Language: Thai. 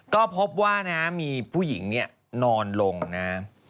ก็พบว่ามีผู้หญิงนอนลงนะ